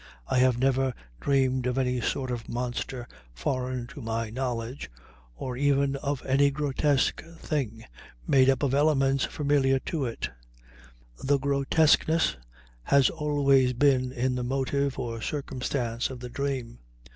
I have never dreamed of any sort of monster foreign to my knowledge, or even of any grotesque thing made up of elements familiar to it; the grotesqueness has always been in the motive or circumstance of the dream.